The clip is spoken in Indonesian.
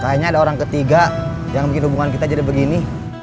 kayaknya ada orang ketiga yang bikin hubungan kita jadi begini